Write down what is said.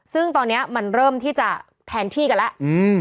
ซึ่งตอนนี้มันเริ่มที่จะแทนที่กันแล้ว